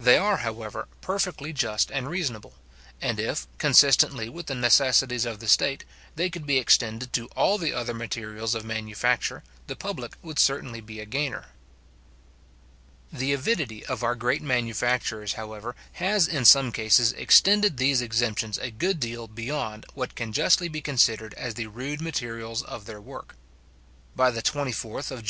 They are, however, perfectly just and reasonable; and if, consistently with the necessities of the state, they could be extended to all the other materials of manufacture, the public would certainly be a gainer. The avidity of our great manufacturers, however, has in some cases extended these exemptions a good deal beyond what can justly be considered as the rude materials of their work. By the 24th Geo.